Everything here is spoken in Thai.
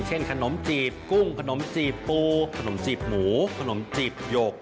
ขนมจีบกุ้งขนมจีบปูขนมจีบหมูขนมจีบหยก